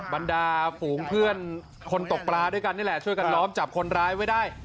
บรรดาฝูงเพื่อนคนตกปลาด้วยกันนี่แหละช่วยกันล้อมจับคนร้ายไว้ได้